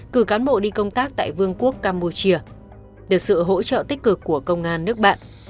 cử cán bộ đi công tác tại vương quốc campuchia được sự hỗ trợ tích cực của công an nước bạn